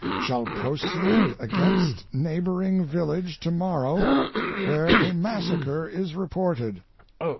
Shall proceed against neighboring village to morrow, where a massacre is reported.'